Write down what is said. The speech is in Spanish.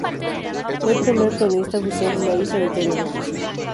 Fue el primer cronista oficial de la isla de Tenerife.